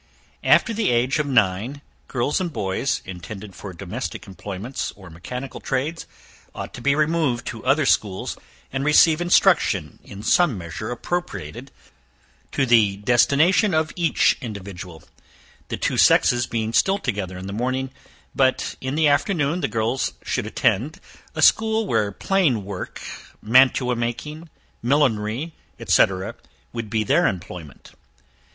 After the age of nine, girls and boys, intended for domestic employments, or mechanical trades, ought to be removed to other schools, and receive instruction, in some measure appropriated to the destination of each individual, the two sexes being still together in the morning; but in the afternoon, the girls should attend a school, where plain work, mantua making, millinery, etc. would be their employment.